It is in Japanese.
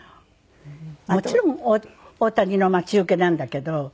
もちろん大谷の待ち受けなんだけど。